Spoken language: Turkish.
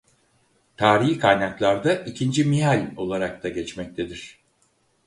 Tarihi kaynaklarda ikinci Mihal olarak da geçmektedir.